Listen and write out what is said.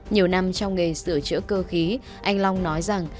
nhiều năm trong nghề sửa chữa cơ khí anh long nói rằng